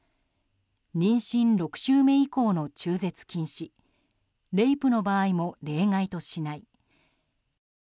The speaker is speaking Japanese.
妊娠６週目以降の中絶禁止レイプの場合も例外としない。